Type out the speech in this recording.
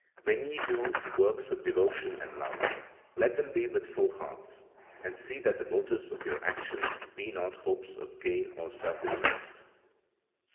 "When ye do works of devotion and love, let them be with full hearts, and see that the motives of your actions be not hopes of gain or self interest; 17.